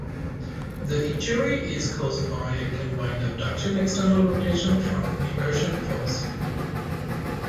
The injury is caused by a combined abduction external rotation from an eversion force.